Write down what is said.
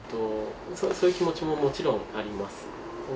そういう気持ちももちろんあります。